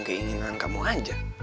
keinginan kamu aja